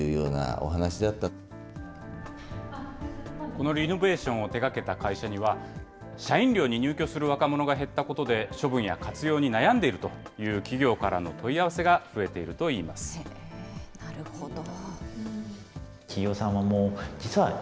このリノベーションを手がけた会社には、社員寮に入居する若者が減ったことで、処分や活用に悩んでいるという企業からの問い合わせが増えているなるほど。